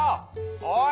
おい！